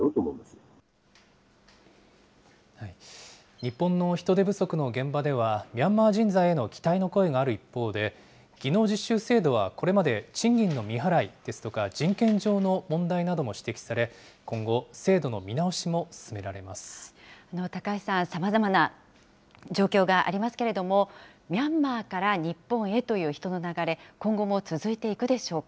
日本の人手不足の現場では、ミャンマー人材への期待の声がある一方で、技能実習制度はこれまで賃金の未払いですとか、人権上の問題なども指摘され、今後、高橋さん、さまざまな状況がありますけれども、ミャンマーから日本へという人の流れ、今後も続いていくでしょうか。